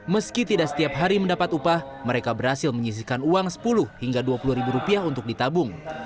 meski tidak setiap hari mendapat upah mereka berhasil menyisikan uang rp sepuluh hingga rp dua puluh untuk ditabung